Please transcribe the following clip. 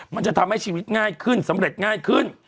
มันจะทำให้ชีวิตง่ายขึ้นสำเร็จง่ายขึ้น